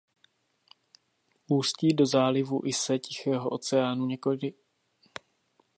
Ústí do zálivu Ise Tichého oceánu několik kilometrů západně od města Nagoja.